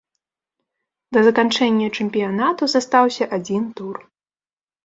Да заканчэння чэмпіянату застаўся адзін тур.